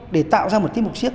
để tạo ra một tiết mục siếc